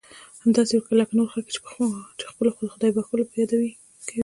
همداسې وکړه لکه نور خلک یې چې د خپلو خدای بښلو په یاد کوي.